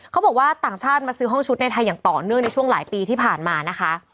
เขาบอกว่าต่างชาติมาซื้อห้องชุดในไทยอย่างต่อเนื่องในช่วงหลายปีที่ผ่านมานะคะ